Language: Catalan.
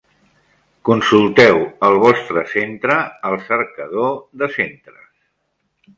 Consulteu el vostre centre al cercador de centres.